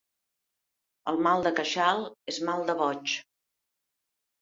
El mal de queixal és mal de boig.